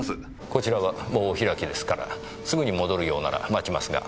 こちらはもうお開きですからすぐに戻るようなら待ちますが。